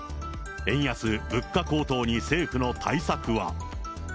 円安、物価高騰に政府の対策は？